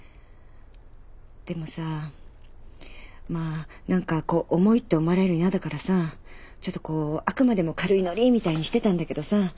でもさまあ何か重いって思われるのやだからさちょっとあくまでも軽いノリみたいにしてたんだけどさ。